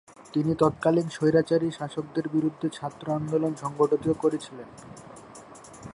তিনি তৎকালীন স্বৈরাচারী শাসকের বিরুদ্ধে ছাত্র আন্দোলন সংগঠিত করেছিলেন।